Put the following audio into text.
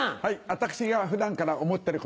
私が普段から思ってることです。